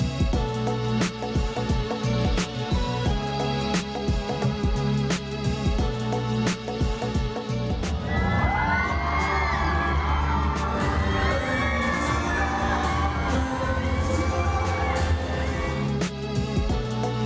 สวัสดีค่ะ